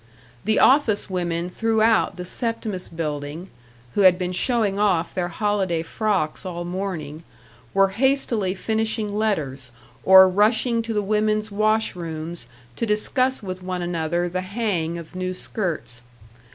The office women throughout the Septimus Building, who had been showing off their holiday frocks all morning, were hastily finishing letters, or rushing to the women's wash rooms to discuss with one another the hang of new skirts.